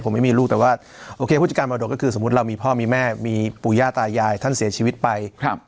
ผมไม่มีลูกแต่ว่าโอเคผู้จัดการมรดกก็คือสมมุติเรามีพ่อมีแม่มีปู่ย่าตายายท่านเสียชีวิตไป